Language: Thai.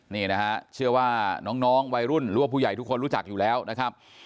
นี่นะฮะเชื่อว่าน้องวัยรุ่นหรือว่าผู้ใหญ่ทุกคนรู้จักอยู่แล้วนะครับ